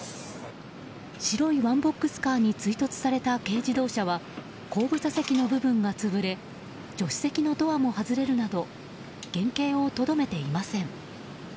白いワンボックスカーに追突された軽自動車は後部座席の部分が潰れ助手席のドアも外れるなど原形をとどめていません。